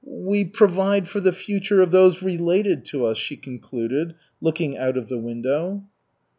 "We provide for the future of those related to us," she concluded, looking out of the window.